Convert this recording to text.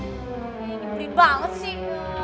nih gede banget sih